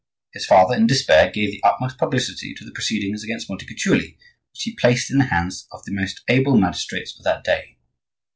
His father, in despair, gave the utmost publicity to the proceedings against Montecuculi, which he placed in the hands of the most able magistrates of that day.